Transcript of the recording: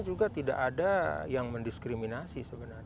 juga tidak ada yang mendiskriminasi sebenarnya